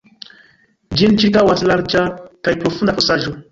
Ĝin ĉirkaŭas larĝa kaj profunda fosaĵo.